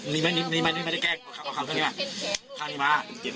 นี่ไหมนี่ไหมนี่ไม่ได้แกล้งเอาคำแค่เนี้ย